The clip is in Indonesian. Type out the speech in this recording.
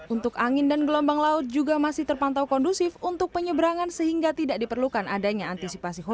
untuk angin dan gelombang laut juga masih terpantau kondusif untuk penyeberangan sehingga tidak diperlukan adanya antisipasi